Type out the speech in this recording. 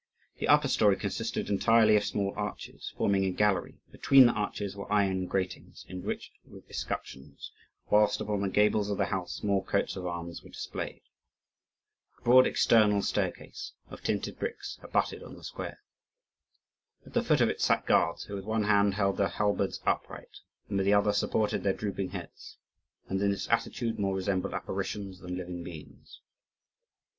The upper story consisted entirely of small arches, forming a gallery; between the arches were iron gratings enriched with escutcheons; whilst upon the gables of the house more coats of arms were displayed. The broad external staircase, of tinted bricks, abutted on the square. At the foot of it sat guards, who with one hand held their halberds upright, and with the other supported their drooping heads, and in this attitude more resembled apparitions than living beings.